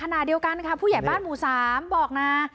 ขณะเดียวกันค่ะผู้ใหญ่บ้านหมู่๓บอกนะ